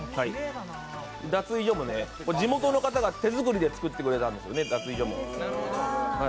脱衣所も地元の方が手作りで作ってくれたんです。